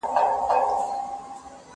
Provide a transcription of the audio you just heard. زه پرون قلم استعمالوم کړ،